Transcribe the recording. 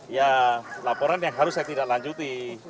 ya laporan yang harus saya tidak lanjuti